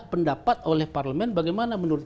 pendapat oleh parlemen bagaimana menurut